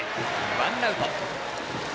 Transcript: ワンアウト。